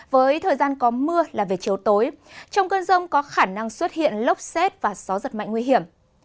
với thời gian có mưa là về chiều tối trong cơn rông có khả năng xuất hiện lốc xét và gió giật mạnh nguy hiểm